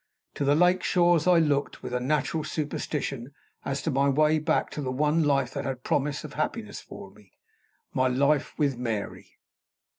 To the lake shores I looked, with a natural superstition, as to my way back to the one life that had its promise of happiness for me my life with Mary.